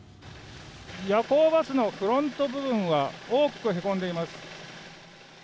夜行バスのフロント部分は大きくへこんでいます。